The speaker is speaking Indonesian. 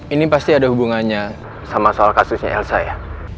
ini pasti ada hubungannya sama soal kasusnya elsa ya